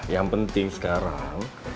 yang penting sekarang